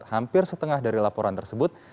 hampir setengah dari laporan tersebut